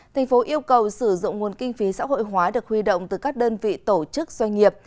thành phố yêu cầu sử dụng nguồn kinh phí xã hội hóa được huy động từ các đơn vị tổ chức doanh nghiệp